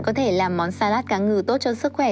có thể làm món salad cá ngừ tốt cho sức khỏe